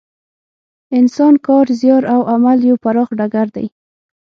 انسان کار، زیار او عمل یو پراخ ډګر دی.